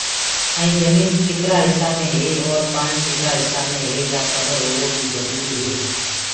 ائينٚ جمينٚ ڪِترآ هسآ مي هي اورَ پآڻيٚ ڪِترآ هِسآ مي يآ کبر هووو بيٚ جروريٚ